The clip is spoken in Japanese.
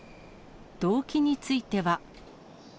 動機については。